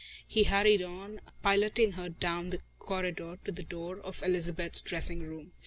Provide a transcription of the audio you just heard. He hurried on, piloting her down the corridor to the door of Elizabeth's dressing room.